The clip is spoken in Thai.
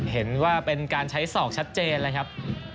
เห็นว่าเป็นการใช้ศอกชัดเจนเลยครับ